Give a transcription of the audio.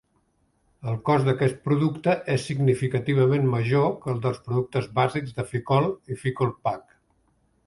El cost d'aquest producte és significativament major que el dels productes bàsics de Ficoll i Ficoll-Paque.